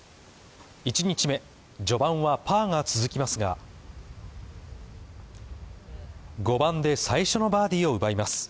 １日目、序盤はパーが続きますが５番で、最初のバーディーを奪います。